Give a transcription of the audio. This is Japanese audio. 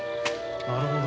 なるほど。